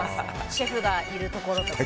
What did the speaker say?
シェフがいるところとか。